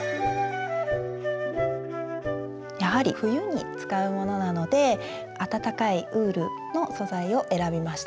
やはり冬に使うものなので暖かいウールの素材を選びました。